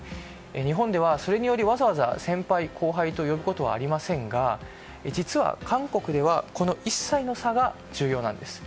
日本では、それによりわざわざ先輩・後輩と呼ぶことはありませんが実は韓国ではこの１歳の差が重要なんです。